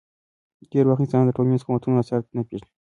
ډېری وخت انسانان د ټولنیزو قوتونو اثرات نه پېژني.